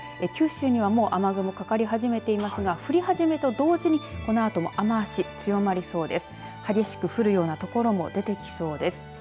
九州にはもう雨雲かかり始めていますが降り始めと同時にこのあとも雨足、強まりそうです。